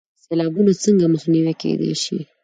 سیلابونه څنګه مخنیوی کیدی شي؟